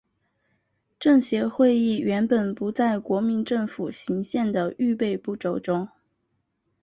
政协会议原本不在国民政府行宪的预备步骤中。